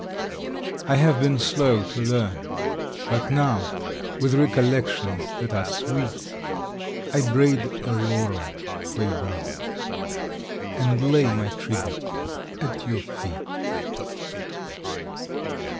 I have been slow to learn, but now, With recollections ■ that are sweet, I braid a laurel for your brow And lay my tribute at your eet.